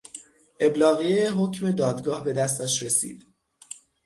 ابلاغیهٔ حکم دادگاه به دستش رسید